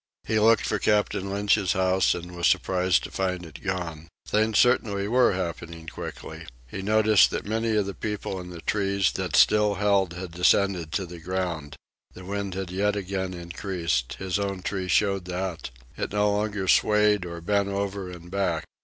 He looked for Captain Lynch's house, and was surprised to find it gone. Things certainly were happening quickly. He noticed that many of the people in the trees that still held had descended to the ground. The wind had yet again increased. His own tree showed that. It no longer swayed or bent over and back.